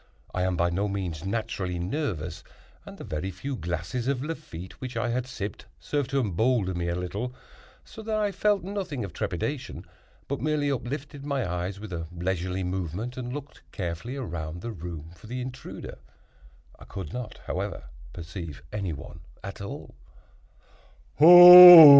I am by no means naturally nervous, and the very few glasses of Lafitte which I had sipped served to embolden me no little, so that I felt nothing of trepidation, but merely uplifted my eyes with a leisurely movement, and looked carefully around the room for the intruder. I could not, however, perceive any one at all.